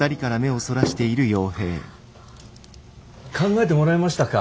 考えてもらえましたか？